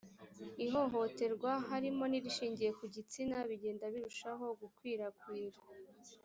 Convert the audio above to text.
ihohoterwa harimo n’irishingiye ku gitsina bigenda birushaho gukwirakwira.